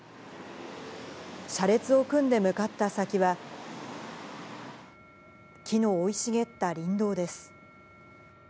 車列を組んで向かった先は、木の生い茂った林道です。